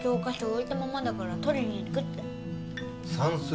置いたままだから取りにいくって算数？